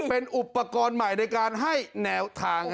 เป็นอุปกรณ์ใหม่ในการให้แนวทาง